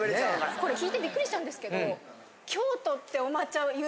これ聞いてびっくりしたんですけど。